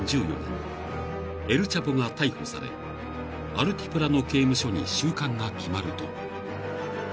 ［エル・チャポが逮捕されアルティプラノ刑務所に収監が決まると］